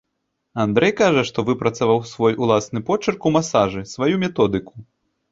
Андрэй кажа, што выпрацаваў свой уласны почырк ў масажы, сваю методыку.